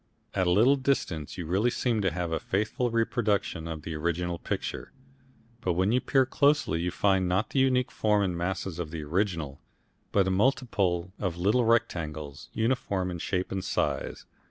At a little distance you really seem to have a faithful reproduction of the original picture, but when you peer closely you find not the unique form and masses of the original, but a multitude of little rectangles, uniform in shape and size.